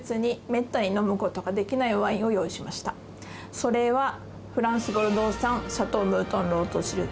それはフランス・ボルドー産シャトー・ムートン・ロートシルト